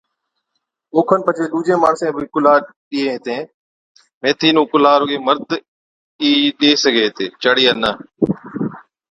اوکن پڇي ڏُوجين ماڻسين بِي ڪُلھا ڏيئين ھِتين ميٿِي نُون ڪُلها رُگَي مرد ئِي ڏي سِگھي هِتي چاڙِيا نہ